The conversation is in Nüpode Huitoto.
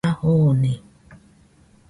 A jone